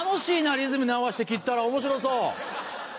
リズムに合わせて切ったら面白そう！